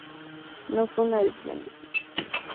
No fue una decisión difícil.